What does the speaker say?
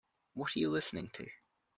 What are you listening to?